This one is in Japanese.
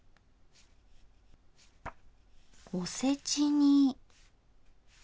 「おせち煮」。